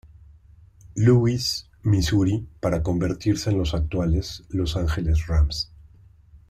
Louis, Missouri para convertirse en los actuales Los Ángeles Rams.